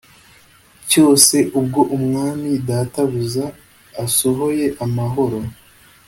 Cyose ubwo umwami databuja asohoye amahoro